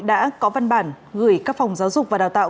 đã có văn bản gửi các phòng giáo dục và đào tạo